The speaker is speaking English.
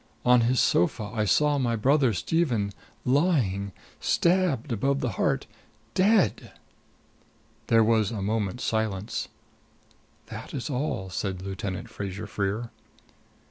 On his sofa I saw my brother Stephen lying stabbed above the heart dead!" There was a moment's silence. "That is all," said Lieutenant Fraser Freer.